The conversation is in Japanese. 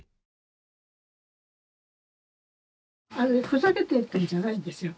ふざけて言ってんじゃないんですよ。